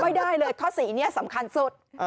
ไม่ได้เลยข้อ๔นี้สำคัญสุด